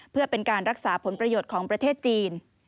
เพื่อเป็นการรักษาผลประโยชน์ของประเทศจีน